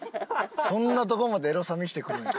そんなとこまでエロさ見せてくるんや。